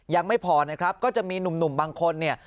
ยังไม่พอนะครับก็จะมีหนุ่มบางคนเนี่ย